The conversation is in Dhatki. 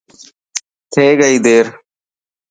ٿي گئي دير.